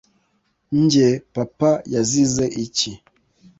njye: papa yazize iki ?